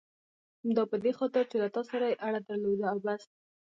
دا په دې خاطر چې له تا سره یې اړه درلوده او بس.